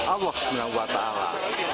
allah subhanahu wa ta'ala